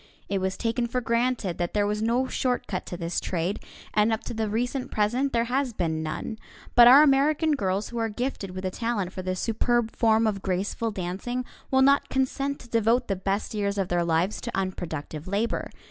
It was taken for granted that there was no short cut to this trade, and up to the recent present there has been none. But our American girls who are gifted with a talent for this superb form of graceful dancing will not consent to devote the best years of their lives to unproductive labor.